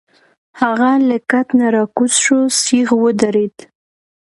هغه له کټ نه راکوز شو، سیخ ودرید.